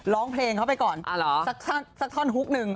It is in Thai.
ร้องเพลงเขาไปก่อนสักท่อนฮุกหนึ่ง